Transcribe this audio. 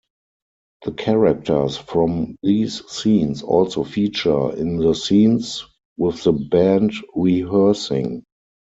The characters from these scenes also feature in the scenes with the band rehearsing.